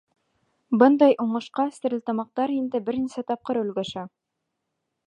Бындай уңышҡа стәрлетамаҡтар инде бер нисә тапҡыр өлгәшә.